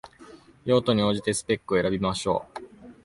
用途に応じてスペックを選びましょう